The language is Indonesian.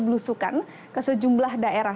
melakukan blusukan ke sejumlah daerah